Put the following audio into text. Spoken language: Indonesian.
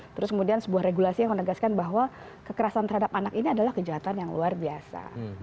terus kemudian sebuah regulasi yang menegaskan bahwa kekerasan terhadap anak ini adalah kejahatan yang luar biasa